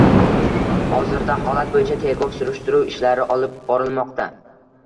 Hozirda holat bo‘yicha tergov surishtiruv ishlari olib borilmoqda